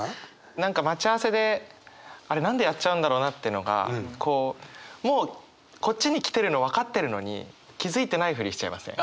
何か待ち合わせであれ何でやっちゃうんだろうなっていうのがこうもうこっちに来てるの分かってるのに気付いてないふりしちゃいません？